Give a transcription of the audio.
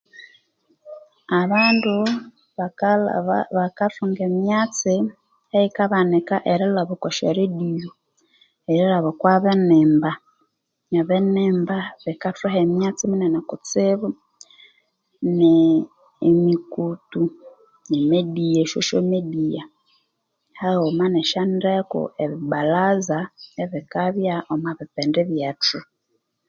Abandu bakathunga emyatsi eyikabanika erilaba okusyaredío erilaba okobinimba ebinimba bikathuha emyatsi minene kutsibu nemikutu esosho mediya haghuma nesyondeku ebibbalaza ebikabya omokipindi kyethu